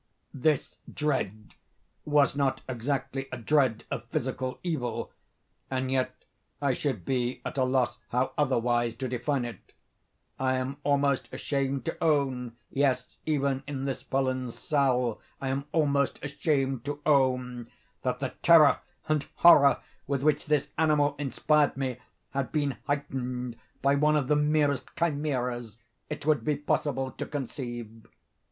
This dread was not exactly a dread of physical evil—and yet I should be at a loss how otherwise to define it. I am almost ashamed to own—yes, even in this felon's cell, I am almost ashamed to own—that the terror and horror with which the animal inspired me, had been heightened by one of the merest chimaeras it would be possible to conceive.